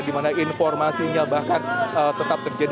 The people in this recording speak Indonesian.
di mana informasinya bahkan tetap terjadi